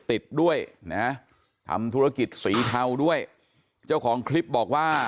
ติดด้วยนะทำธุรกิจสีเทาด้วยเจ้าของคลิปบอกว่า